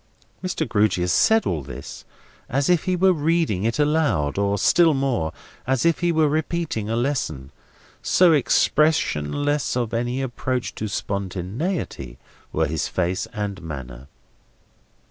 Mr. Grewgious said all this, as if he were reading it aloud; or, still more, as if he were repeating a lesson. So expressionless of any approach to spontaneity were his face and manner.